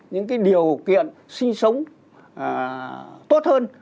những cái điều kiện sinh sống tốt hơn